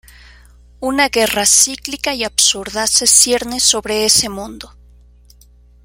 Una guerra cíclica y absurda se cierne sobre ese mundo.